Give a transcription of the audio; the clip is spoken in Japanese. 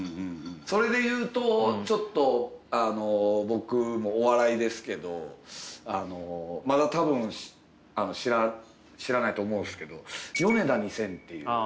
それで言うとちょっと僕もお笑いですけどまだ多分知らないと思うんですけどヨネダ２０００っていう。